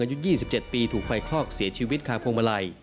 อายุ๒๗ปีถูกไฟคลอกเสียชีวิตคาพวงมาลัย